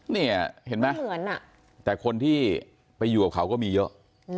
เนี้ยเห็นไหมไม่เหมือนอ่ะแต่คนที่ไปอยู่กับเขาก็มีเยอะอืม